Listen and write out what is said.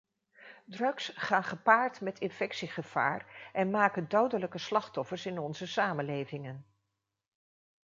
Drugs gaan gepaard met infectiegevaar en maken dodelijke slachtoffers in onze samenlevingen.